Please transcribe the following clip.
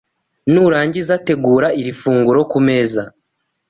nurangiza tegura iri funguro ku meza